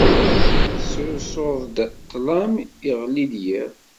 Tesrusuḍ-d ṭṭlam, iɣelli-d yiḍ.